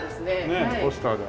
ねえポスターだ。